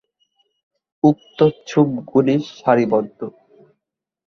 উক্ত ছোপগুলি সারিবদ্ধ।